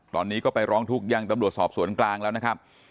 ตอนนี้ก็ไปร้องทุกข์ยังตำรวจสอบสวนกลางแล้วนะครับ